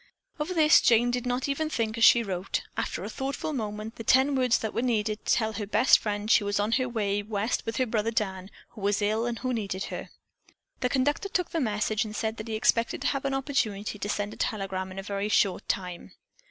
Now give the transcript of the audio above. Of this Jane did not even think as she wrote, after a thoughtful moment, the ten words that were needed to tell her best friend that she was on her way West with her brother Dan, who was ill and who needed her. The conductor took the message and said that he expected to have an opportunity to send a telegram in a very short time.